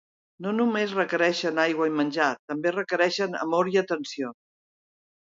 No només requereixen aigua i menjar: també requereixen amor i atenció.